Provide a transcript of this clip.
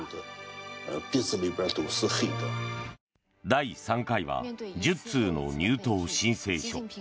第３回は「１０通の入党申請書」。